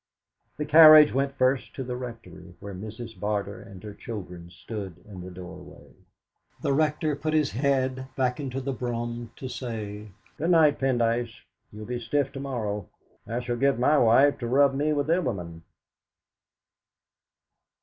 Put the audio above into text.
The carriage went first to the Rectory, where Mrs. Barter and her children stood in the doorway. The Rector put his head back into the brougham to say: "Good night, Pendyce. You'll be stiff tomorrow. I shall get my wife to rub me with Elliman!"